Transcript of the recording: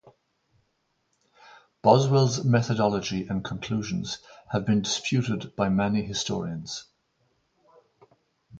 Boswell's methodology and conclusions have been disputed by many historians.